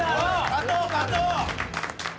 勝とう勝とう！